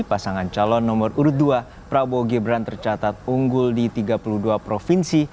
pasangan calon nomor urut dua prabowo gibran tercatat unggul di tiga puluh dua provinsi